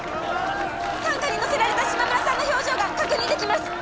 担架に乗せられた島村さんの表情が確認できます。